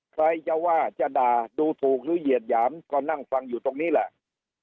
ใครจะว่าจะด่าดูถูกหรือเหยียดหยามก็นั่งฟังอยู่ตรงนี้แหละ